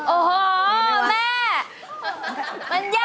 โอ้โฮแม่มีไหมวะ